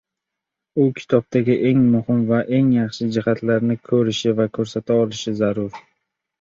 U kitobdagi eng muhim va eng yaxshi jihatni koʻrishi va koʻrsata bilishi zarur.